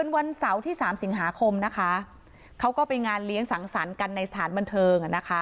วันเสาร์ที่๓สิงหาคมนะคะเขาก็ไปงานเลี้ยงสังสรรค์กันในสถานบันเทิง